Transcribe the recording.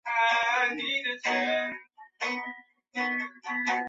琉科忒亚是希腊神话中一个宁芙。